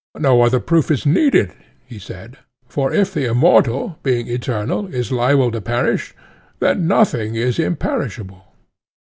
No other proof is needed, he said; for if the immortal, being eternal, is liable to perish, then nothing is imperishable.